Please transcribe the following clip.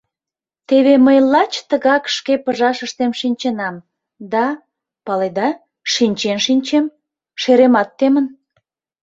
Теве мый лач тыгак шке пыжашыштем шинченам, да, паледа, шинчен-шинчен шеремат темын.